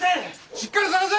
しっかり捜せ！